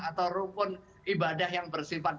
atau rukun ibadah yang bersifat